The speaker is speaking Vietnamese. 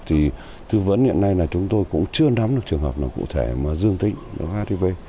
thì tư vấn hiện nay là chúng tôi cũng chưa nắm được trường hợp nào cụ thể mà dương tính với hiv